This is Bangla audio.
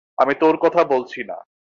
আমি তোর কথা বলছি না।